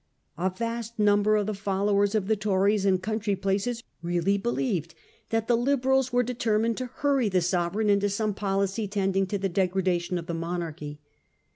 A vast number of the followers of the Tories in coun try places really believed that the Liberals were de termined to hurry the Sovereign into some policy tending to the degradation of the monarchy.